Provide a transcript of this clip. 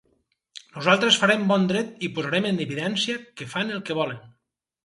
Nosaltres farem bon dret i posarem en evidència que fan el que volen.